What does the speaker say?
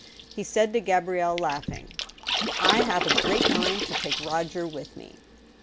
He said to Gabrielle, laughing :" I have a great mind to take Roger with me."